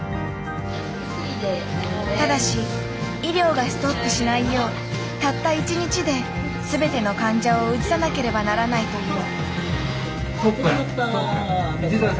ただし医療がストップしないようたった一日で全ての患者を移さなければならないという。